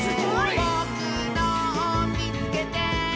「ぼくのをみつけて！」